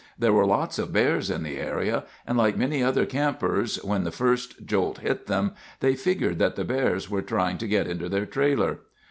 There were lots of bears in the area, and like many other campers, when the first jolt hit them, they figured that the bears were trying to get into their trailer.